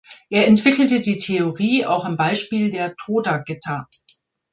Er entwickelte die Theorie auch am Beispiel der Toda-Gitter.